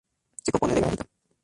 Se compone de granito.